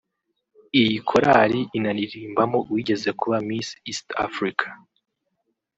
Iyi Korali inaririmbamo uwigeze kuba Miss East Africa